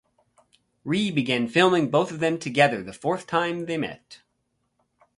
Ree began filming both of them together the fourth time they met.